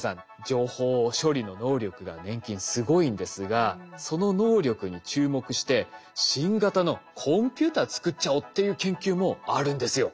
情報処理の能力が粘菌すごいんですがその能力に注目して新型のコンピューター作っちゃおうっていう研究もあるんですよ。